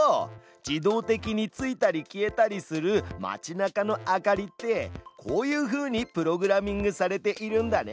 自動的についたり消えたりする街なかの明かりってこういうふうにプログラミングされているんだね。